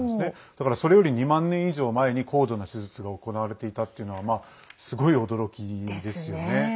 だから、それより２万年以上前に高度な手術が行われていたというのはすごい驚きですよね。